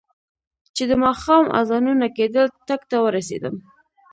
چې د ماښام اذانونه کېدل، ټک ته ورسېدم.